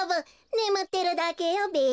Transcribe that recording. ねむってるだけよべ。